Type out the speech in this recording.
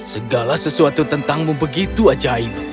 segala sesuatu tentangmu begitu ajaib